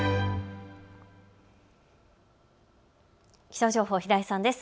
気象情報、平井さんです。